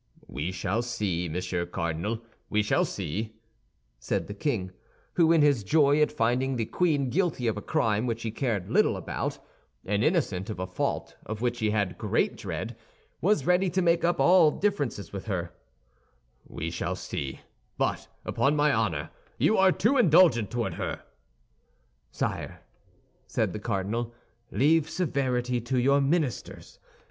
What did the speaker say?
"We shall see, Monsieur Cardinal, we shall see," said the king, who, in his joy at finding the queen guilty of a crime which he cared little about, and innocent of a fault of which he had great dread, was ready to make up all differences with her, "we shall see, but upon my honor, you are too indulgent toward her." "Sire," said the cardinal, "leave severity to your ministers.